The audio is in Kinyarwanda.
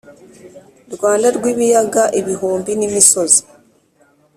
rwanda rw’ibiyaga igihumbi nimisozi